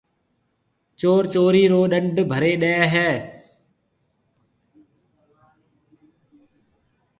چور چورِي رو ڏنڊ ڀريَ ڏي هيَ۔